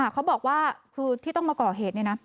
เขาบอกว่าคือที่ต้องมาก่อเหตุ